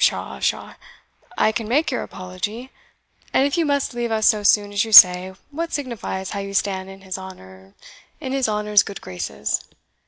"Psha! psha! I can make your apology; and if you must leave us so soon as you say, what signifies how you stand in his honours good graces?